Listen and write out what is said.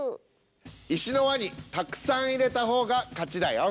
石の輪にたくさん入れた方が勝ちだよ。